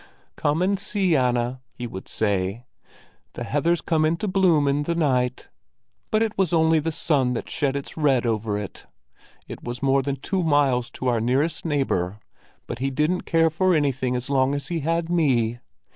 'Come and see, Anna,' he would say, 'the heather's come into bloom in the night.' But it was only the sun that shed its red over it! It was more than two miles to our nearest neighbor, but he didn't care for anything as long as he had me.